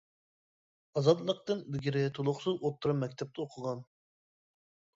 ئازادلىقتىن ئىلگىرى تۇلۇقسىز ئوتتۇرا مەكتەپتە ئوقۇغان.